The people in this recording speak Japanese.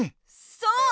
そう！